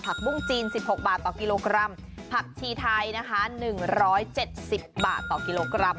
ปุ้งจีน๑๖บาทต่อกิโลกรัมผักชีไทยนะคะ๑๗๐บาทต่อกิโลกรัม